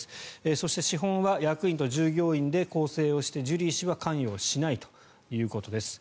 そして資本は役員と従業員で構成をしてジュリー氏は関与しないということです。